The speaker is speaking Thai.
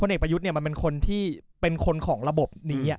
เอกประยุทธ์มันเป็นคนที่เป็นคนของระบบนี้